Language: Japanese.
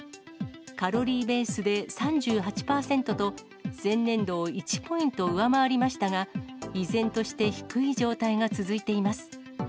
カロリーベースで３８％と、前年度を１ポイント上回りましたが、依然として低い状態が続いています。